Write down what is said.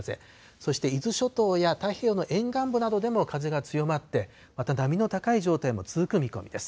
そして伊豆諸島や太平洋の沿岸部などでも風が強まって、また波の高い状態も続く見込みです。